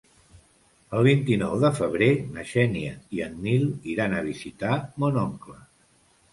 El vint-i-nou de febrer na Xènia i en Nil iran a visitar mon oncle.